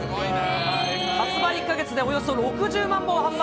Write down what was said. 発売１か月でおよそ６０万本販売。